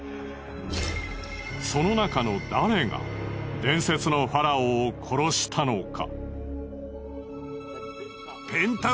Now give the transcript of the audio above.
そのなかの誰が伝説のファラオを殺したのか。